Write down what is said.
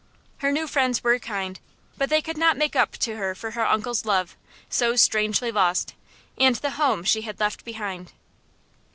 Her new friends were kind, but they could not make up to her for her uncle's love, so strangely lost, and the home she had left behind.